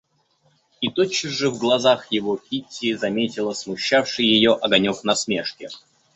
И тотчас же в глазах его Кити заметила смущавший её огонек насмешки.